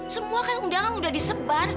semua kan undangan sudah disebar